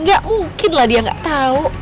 gak mungkin lah dia gak tau